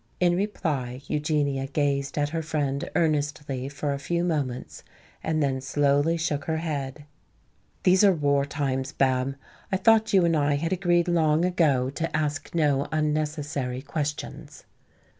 In reply Eugenia gazed at her friend earnestly for a few moments and then slowly shook her head. "These are war times, Bab. I thought you and I had agreed long ago to ask no unnecessary questions."